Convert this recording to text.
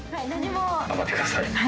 頑張って下さい。